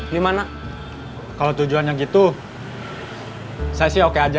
dimana kalau tujuannya gitu saya sih oke aja